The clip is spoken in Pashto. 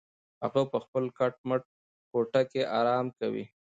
هغه په خپله کټ مټ کوټه کې ارام کوي.